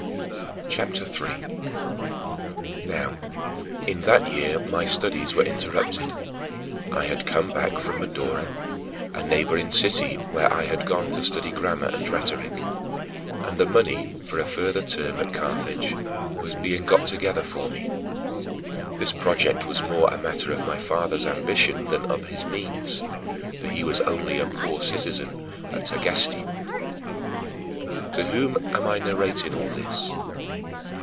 CHAPTER III 5. Now, in that year my studies were interrupted. I had come back from Madaura, a neighboring city where I had gone to study grammar and rhetoric; and the money for a further term at Carthage was being got together for me. This project was more a matter of my father's ambition than of his means, for he was only a poor citizen of Tagaste. To whom am I narrating all this?